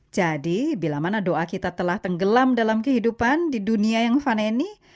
jadi bila mana doa kita telah tenggelam dalam kehidupan di dunia yang fana ini